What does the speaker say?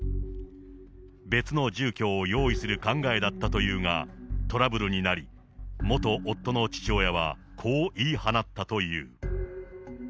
別の住居を用意する考えだったというが、トラブルになり、元夫の父親は、こう言い放ったという。